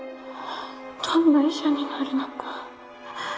どんな医者になるのか